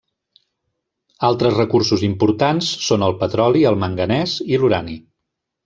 Altres recursos importants són el petroli, el manganès i l'urani.